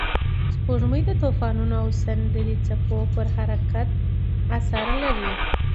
سپوږمۍ د طوفانونو او سمندري څپو پر حرکت اثر لري